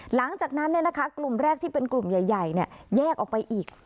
หลังจากนั้นกลุ่มแรกที่เป็นกลุ่มใหญ่แยกออกไปอีก